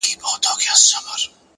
د وخت قدر د ځان قدر دی!